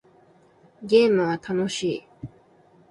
ゲームは楽しい